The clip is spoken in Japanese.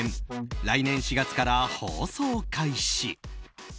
来年４月から放送開始。